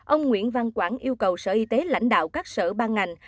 ông nguyễn văn quảng yêu cầu sở y tế lãnh đạo các sở ban ngành